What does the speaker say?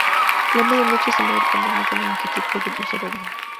La medianoche solar depende más de la longitud que del huso horario.